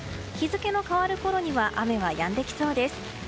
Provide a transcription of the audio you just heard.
日付の変わるころには雨がやんできそうです。